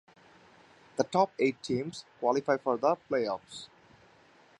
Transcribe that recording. The top eight teams qualify for the playoffs.